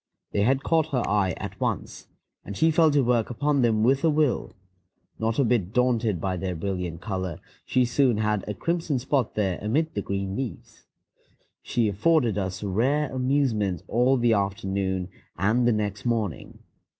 They had caught her eye at once, and she fell to work upon them with a will; not a bit daunted by their brilliant color, she soon had a crimson spot there amid the green leaves. She afforded us rare amusement all the afternoon and the next morning.